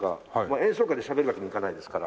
演奏会でしゃべるわけにいかないですから。